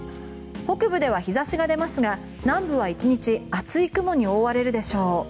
北部では日差しが出ますが南部は１日厚い雲に覆われるでしょう。